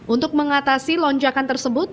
untuk mengatasi lonjakan tersebut